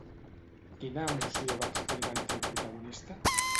Quina emoció va experimentar el protagonista?